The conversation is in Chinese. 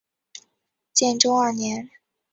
建中二年。